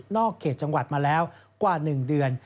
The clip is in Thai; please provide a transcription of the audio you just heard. เขตจังหวัดมาแล้วกว่า๑เดือน